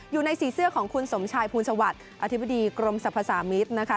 อยู่ในสีเสื้อของคุณสมชายภูลสวัสดิ์อธิบดีกรมสรรพสามิตรนะคะ